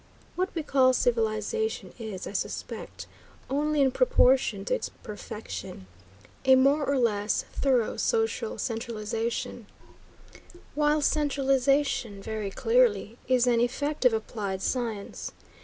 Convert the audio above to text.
What we call civilization is, I suspect, only, in proportion to its perfection, a more or less thorough social centralization, while centralization, very clearly, is an effect of applied science.